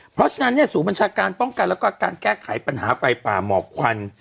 เพราะฉะนั้นศูนย์บัญชาการป้องกันแล้วก็การแก้ไขปัญหาไฟป่าหมอกควัน